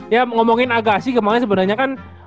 ya ngomongin agassi kemaren sebenernya kan